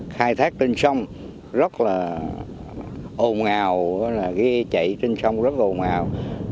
khai thác trên sông rất là ồn ào ghe chạy trên sông rất là ồn ào